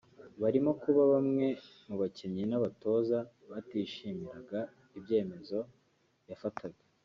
Birimo kuba bamwe mu bakinnyi n’abatoza batishimiraga ibyemezo yafataga